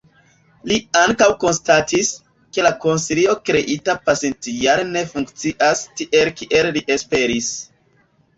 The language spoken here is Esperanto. Li ankaŭ konstatis, ke la konsilio kreita pasintjare ne funkcias tiel kiel li esperis.